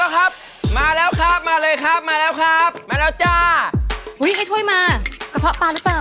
แต่ก็ไม่เน่ตรง